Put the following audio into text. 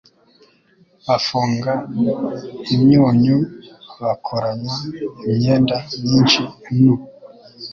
Bafunga imyunyu bakoranya imyenda myinshi nu